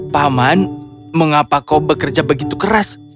paman mengapa kau bekerja begitu keras